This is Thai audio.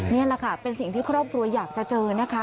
นี่แหละค่ะเป็นสิ่งที่ครอบครัวอยากจะเจอนะคะ